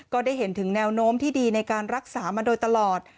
ก็ได้เห็นถึงแนวโน้มที่ดีในการรักษามาโดยตลอด